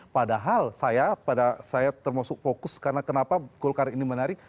padahal saya termasuk fokus karena kenapa golkar ini menarik